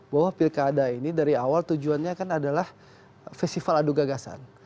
bahwa pilkada ini dari awal tujuannya kan adalah festival adu gagasan